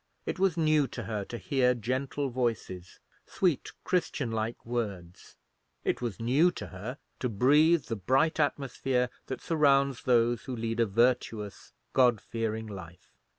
It was new to her to hear gentle voices, sweet Christian like words: it was new to her to breathe the bright atmosphere that surrounds those who lead a virtuous, God fearing life.